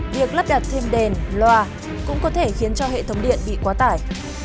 việc lắp đặt thêm đèn loa cũng có thể khiến cho hệ thống điện bị quá tải